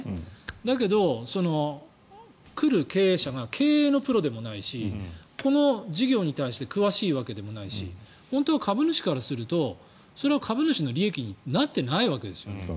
だけど、来る経営者が経営のプロでもないしこの事業に対して詳しいわけでもないし本当は株主からするとそれは株主の利益になっていないわけですよね。